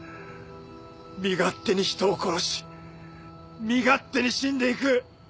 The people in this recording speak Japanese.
身勝手に人を殺し身勝手に死んでいく。